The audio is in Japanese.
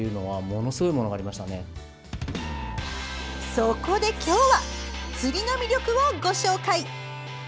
そこで今日は釣りの魅力をご紹介。